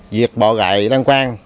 diệt bọ gạy đăng quan